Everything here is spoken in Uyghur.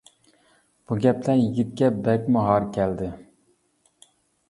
بۇ گەپلەر يىگىتكە بەكمۇ ھار كەلدى.